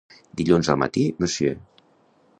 Dilluns al matí, 'monsieur'.